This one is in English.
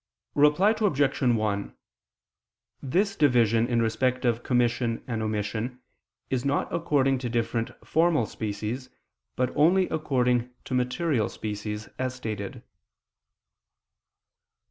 Reply Obj. 1: This division in respect of commission and omission, is not according to different formal species, but only according to material species, as stated.